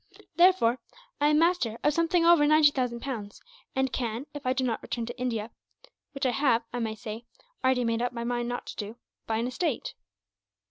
"Therefore I am master of something over ninety thousand pounds; and can, if I do not return to India which I have, I may say, already made up my mind not to do, buy an estate.